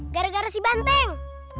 gara gara si banteng